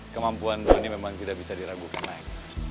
kemampuan donnya memang tidak bisa diragukan